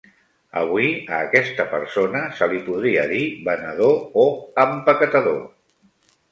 Avui a aquesta persona se li podria dir venedor o empaquetador.